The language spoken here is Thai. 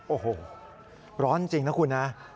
โอ้โหร้อนจริงนะคุณนะ